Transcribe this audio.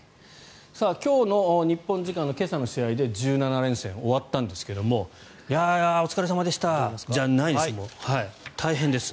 今日の日本時間の今朝の試合で１７連戦、終わったんですがお疲れ様でしたじゃないです大変です。